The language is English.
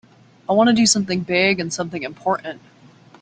I want to do something big and something important.